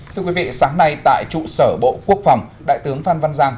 thưa quý vị sáng nay tại trụ sở bộ quốc phòng đại tướng phan văn giang